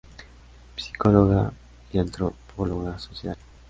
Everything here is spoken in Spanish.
Psicóloga y antropóloga social.